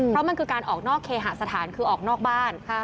เพราะมันคือการออกนอกเคหาสถานคือออกนอกบ้าน